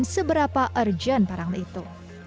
seberapa urgent barang itu